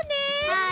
はい！